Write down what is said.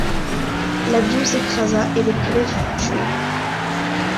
L’avion s’écrasa et le pilote fut tué.